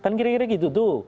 kan kira kira gitu tuh